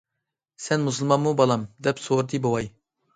- سەن مۇسۇلمانمۇ بالام؟ دەپ سورىدى بوۋاي.